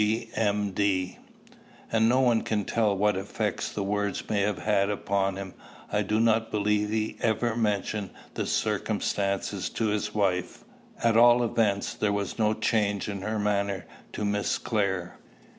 G.M.D.] And no one can tell what effects the words may have had upon him. I do not believe he ever mentioned the circumstance to his wife. At all events, there was no change in her manner to Miss Clare.